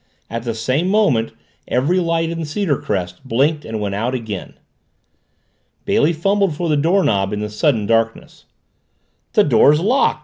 At the same moment every light in Cedarcrest blinked and went out again. Bailey fumbled for the doorknob in the sudden darkness. "The door's locked!"